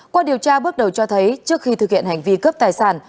qua điều tra bước đầu cho thấy trước khi thực hiện hành vi cướp tài sản